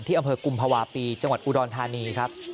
อำเภอกุมภาวะปีจังหวัดอุดรธานีครับ